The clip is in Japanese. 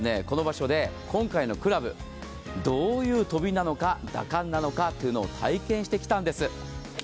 この場所で今回のクラブどういう飛びなのか打感なのかというのを体験してきたんです。